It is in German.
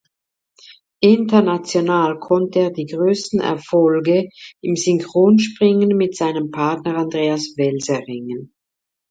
International konnte er die größten Erfolge im Synchronspringen mit seinem Partner Andreas Wels erringen.